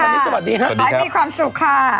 มีความสุขค่ะ